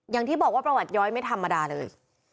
อย่างที่บอกว่าประวัติย้อยไม่ธรรมดาเลย